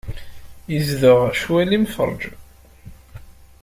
Izdeɣ ccwal imferrǧen.